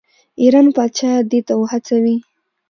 ایران پاچا دې ته وهڅوي.